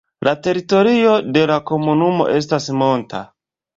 La teritorio de la komunumo estas monta.